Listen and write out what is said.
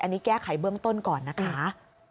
อันนี้แก้ไขเบื้องต้นก่อนนะคะ